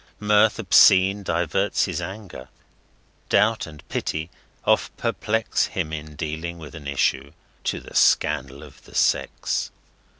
Mirth obscene diverts his anger; Doubt and Pity oft perplex Him in dealing with an issue to the scandal of the Sex!